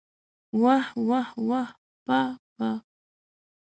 واه واه واه پاه پاه!